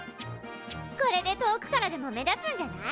これで遠くからでも目立つんじゃない？